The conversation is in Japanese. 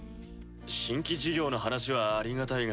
新規事業の話はありがたいが。